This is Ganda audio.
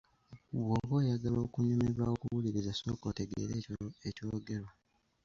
Bw'oba oyagala okunyumirwa okuwuliriza sooka otegeere ekyogerwa.